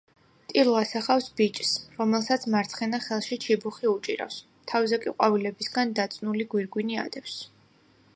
ტილო ასახავს ბიჭს, რომელსაც მარცხენა ხელში ჩიბუხი უჭირავს, თავზე კი ყვავილებისგან დაწნული გვირგვინი ადევს.